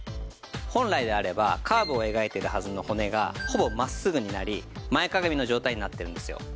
本来であればカーブを描いているはずの骨がほぼ真っすぐになり前かがみの状態になってるんですよ。